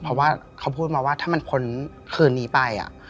เพราะว่าเขาพูดมาว่าถ้ามันพ้นคืนนี้ไป